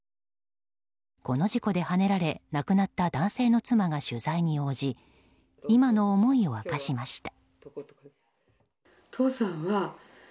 この事故ではねられ、亡くなった男性の妻が取材に応じ今の思いを明かしました。